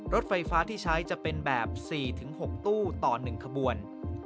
รถไฟฟ้าที่ใช้จะเป็นแบบ๔๖ตู้ต่อ๑ขบวน